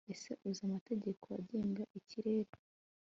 ese uzi amategeko agenga ikirere